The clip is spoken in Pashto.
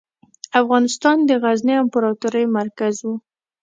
افغانستان د غزني امپراتورۍ مرکز و.